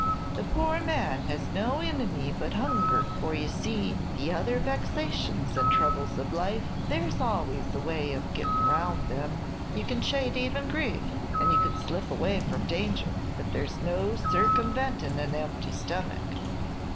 The poor man has no inimy but hunger; for, ye see, the other vexations and troubles of life, there's always a way of gettin' round them. You can chate even grief, and you can slip away from danger; but there's no circumventin' an empty stomach."